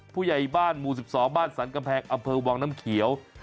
ผู้ใหญ่บ้านหมู่สิบสองบ้านสันกระแภกอำเภอวางน้ำเขียว